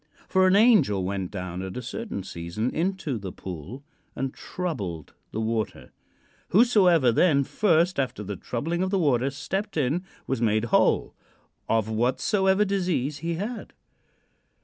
"For an angel went down at a certain season into the pool and troubled the water: whosoever then first after the troubling of the water stepped in was made whole of whatsoever disease he had.